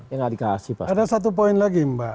ya gak dikasih pasti ada satu poin lagi mba